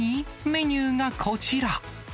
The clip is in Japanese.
メニューがこちら。